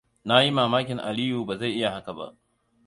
Na yi mamakin Aliyu ba zai iya haka ba.